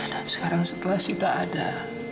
dan sekarang setelah sita ada